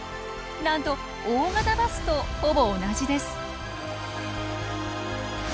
なんと大型バスとほぼ同じです。